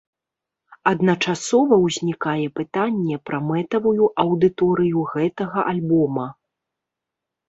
Адначасова ўзнікае пытанне пра мэтавую аўдыторыю гэтага альбома.